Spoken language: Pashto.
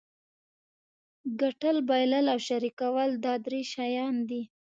ګټل بایلل او شریکول دا درې شیان دي.